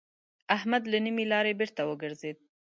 احمد له نيمې لارې بېرته وګرځېد.